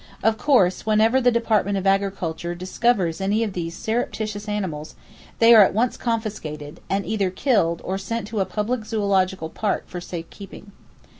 Of course, whenever the Department of Agriculture discovers any of these surreptitious animals, they are at once confiscated, and either killed or sent to a public zoological park for safe keeping.